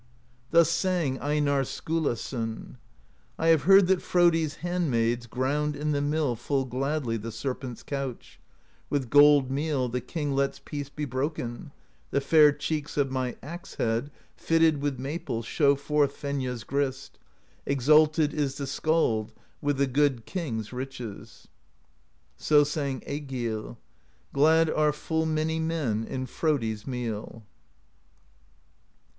Thus sang Einarr Skulason : I have heard that Frodi's hand maids Ground in the mill full gladly The Serpent's Couch; with gold meal The king lets peace be broken: The fair cheeks of my axe head, Fitted with maple, show forth Fenja's Grist; exalted Is the skald with the good king's riches. So sang Egill: Glad are full many men In Frodi's meal.